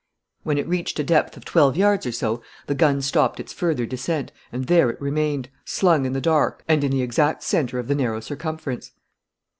When it reached a depth of twelve yards or so, the gun stopped its further descent and there it remained, slung in the dark and in the exact centre of the narrow circumference.